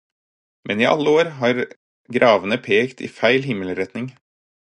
Men i alle år har gravene pekt i feil himmelretning.